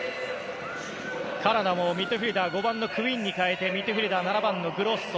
カナダもミッドフィールダー５番のクインに代えてミッドフィールダーのグロッソ。